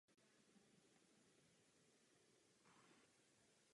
Byl proto přejmenován na obchodní dům "Astra".